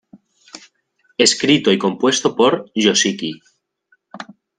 Escrito y compuesto por Yoshiki.